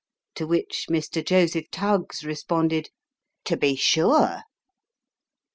To which Mr. Joseph Tuggs re sponded, " To be sure."